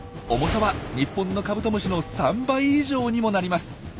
重さは日本のカブトムシの３倍以上にもなります。